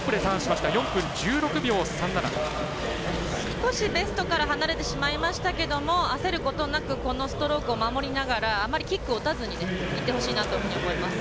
少しベストから離れてしまいましたけど焦ることなくストロークを守りながらあまりキックを打たずにいってほしいなと思います。